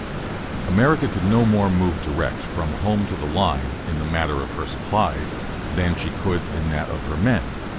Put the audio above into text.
America could no more move direct from home to the line in the matter of her supplies than she could in that of her men.